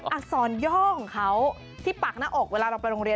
อักษรย่อของเขาที่ปากหน้าอกเวลาเราไปโรงเรียน